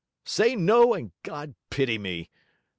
Say no, and God pity me!